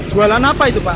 jalan apa itu pak